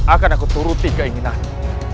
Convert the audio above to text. akan aku turuti keinginanmu